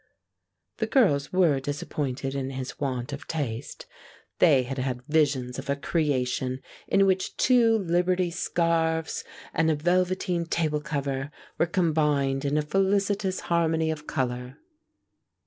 The girls were disappointed in his want of taste. They had had visions of a creation in which two Liberty scarfs and a velveteen table cover were combined in a felicitous harmony of color.